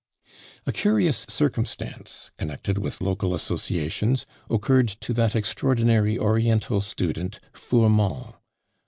A curious circumstance, connected with local associations, occurred to that extraordinary oriental student, Fourmont.